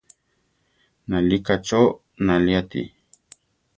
Nalíka cho náli ati.